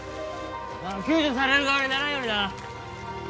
救助される側にならんようにな。